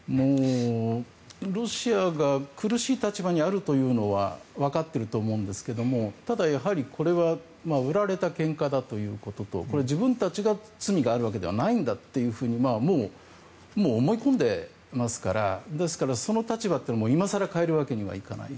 ロシアが苦しい立場にあるというのは分かっていると思うんですけどただ、やはりこれは売られたけんかだということと自分たちが罪があるわけではないんだというふうにもう思い込んでますからその立場は今更変えるわけにはいかない。